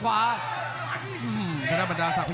รับทราบบรรดาศักดิ์